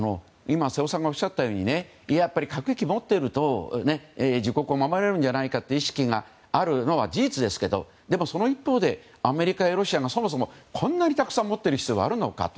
瀬尾さんがおっしゃるように核兵器持っていると自国を守れるんじゃないかという意識があるのは事実ですがでも、その一方でアメリカやロシアがそもそもこんなにたくさん持っている必要があるのか。